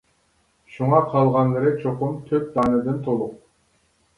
شۇڭا قالغانلىرى چوقۇم تۆت دانىدىن تولۇق!